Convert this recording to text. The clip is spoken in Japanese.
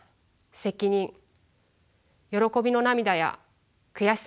責任喜びの涙や悔しさの涙。